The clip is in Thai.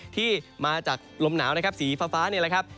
ที่มาจากลมหนาวนะครับสีฟ้านี่แหละครับ